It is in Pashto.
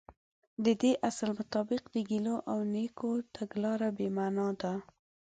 د دې اصل مطابق د ګيلو او نيوکو تګلاره بې معنا ده.